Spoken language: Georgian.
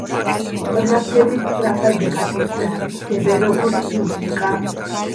ყველაფერი სწრაფად გაკეთდა, ისევე, როგორც მუსიკა.